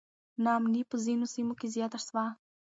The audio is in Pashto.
نا امني په ځینو سیمو کې زیاته سوه.